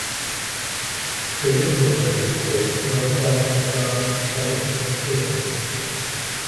The original Pegasus Bridge now resides in the grounds of the Pegasus Museum.